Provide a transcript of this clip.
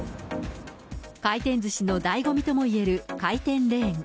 回転ずしのだいご味ともいえる回転レーン。